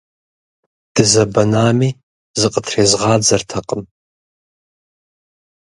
Дызэбэнами, зыкъытрезгъадзэртэкъым.